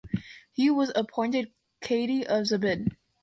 He was appointed qadi of Zabid.